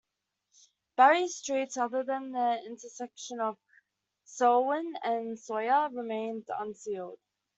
Barry's streets, other than the intersection of Selwyn and Sawyer, remain unsealed.